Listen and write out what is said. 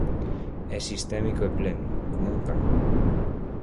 É sistémico e pleno, como un cancro.